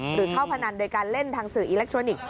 หรือเข้าพนันโดยการเล่นทางสื่ออิเล็กทรอนิกส์